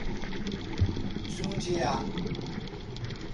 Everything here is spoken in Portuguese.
Jundiá